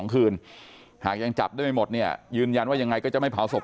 คืนหากยังจับได้ไม่หมดเนี่ยยืนยันว่ายังไงก็จะไม่เผาศพ